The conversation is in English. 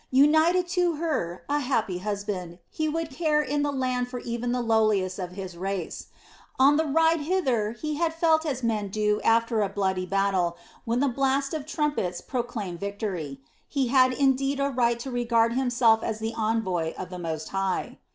United to her, a happy husband, he would care in the new land for even the lowliest of his race. On the ride hither he had felt as men do after a bloody battle, when the blast of trumpets proclaim victory. He had indeed a right to regard himself as the envoy of the Most High.